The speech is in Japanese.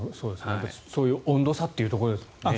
そういう温度差というところですね。